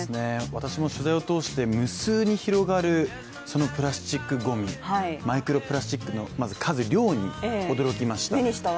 私も取材を通して無数に広がるプラスチックごみ、マイクロプラスチックの数、量に驚きました。